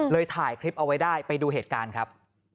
ถ่ายคลิปเอาไว้ได้ไปดูเหตุการณ์ครับ